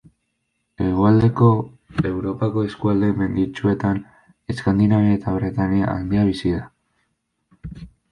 Hegoaldeko Europako eskualde menditsuetan, Eskandinavian eta Bretainia Handian bizi da.